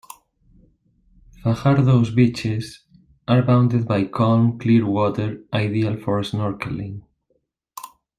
Fajardo's beaches are bounded by calm, clear water ideal for snorkeling.